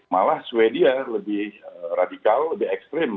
malah sweden lebih radikal lebih ekstrim